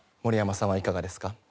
森山さんはいかがですか？